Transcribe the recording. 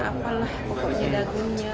apalah pokoknya dagunya